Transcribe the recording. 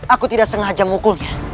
aku tidak sengaja memukulnya